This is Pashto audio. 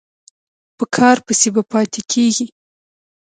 په کار پسې به پاتې کېږې.